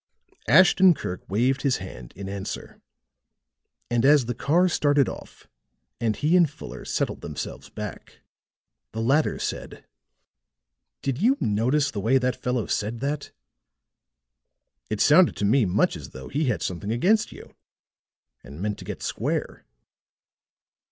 Ashton Kirk waved his hand in answer; and as the car started off, and he and Fuller settled themselves back, the latter said: "Did you notice the way that fellow said that? It sounded to me much as though he had something against you, and meant to get square."